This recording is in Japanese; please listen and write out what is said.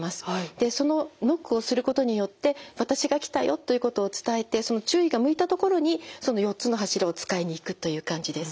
でそのノックをすることによって私が来たよということを伝えてその注意が向いたところにその４つの柱を使いにいくという感じです。